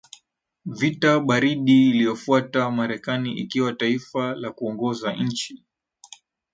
vita baridi iliyofuata Marekani ilikuwa taifa la kuongoza nchi